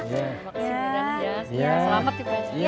ya makasih kak er unforgettable ya